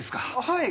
はい。